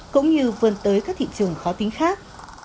cũng như vươn tới các thị trường khó tính khác